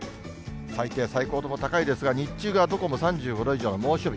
最低、最高とも高いですが、日中がどこも３５度以上の猛暑日。